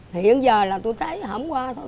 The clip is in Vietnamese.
hiện giờ là tôi thấy hổng qua thôi